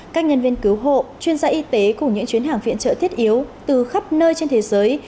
các nhân viên cứu hộ chuyên gia y tế cùng những chuyến hàng viện trợ thiết yếu từ khắp nơi trên thế giới